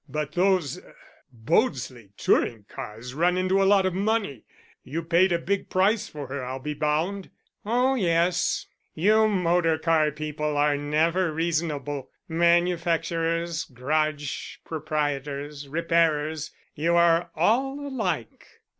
"But those Bodesly touring cars run into a lot of money. You paid a big price for her, I'll be bound." "Oh, yes. You motor car people are never reasonable manufacturers, garage proprietors, repairers, you are all alike."